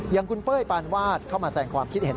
อย่างคุณเป้ยปานวาดเข้ามาแสงความคิดเห็น